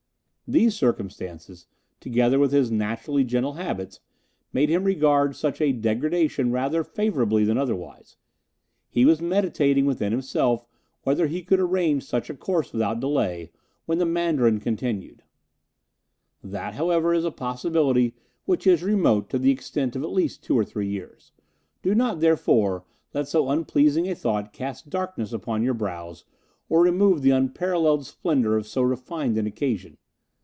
These circumstances, together with his naturally gentle habits, made him regard such a degradation rather favourably than otherwise. He was meditating within himself whether he could arrange such a course without delay when the Mandarin continued: "That, however, is a possibility which is remote to the extent of at least two or three years; do not, therefore, let so unpleasing a thought cast darkness upon your brows or remove the unparalleled splendour of so refined an occasion...